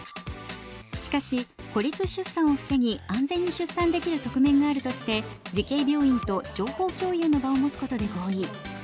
しかし、孤立出産を防ぎ、安全に出産できる側面があるとして慈恵病院と情報共有の場を持つことで合意。